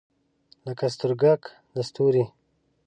لکه سترګګ د ستوری